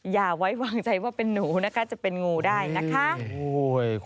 อย่าไว้วางใจว่าเป็นหนูนะคะจะเป็นงูได้นะคะ